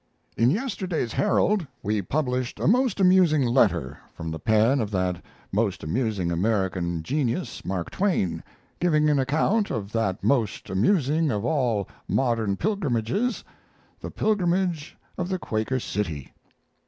In yesterday's Herald we published a most amusing letter from the pen of that most amusing American genius, Mark Twain, giving an account of that most amusing of all modern pilgrimages the pilgrimage of the 'Quaker City'.